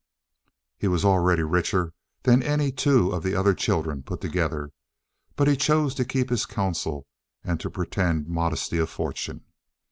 He was already richer than any two of the other children put together, but he chose to keep his counsel and to pretend modesty of fortune.